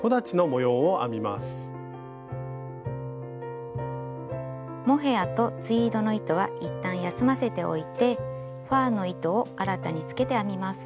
モヘアとツイードの糸は一旦休ませておいてファーの糸を新たにつけて編みます。